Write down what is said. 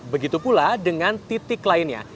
begitu pula dengan titik lainnya